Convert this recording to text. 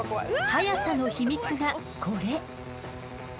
速さの秘密がこれ。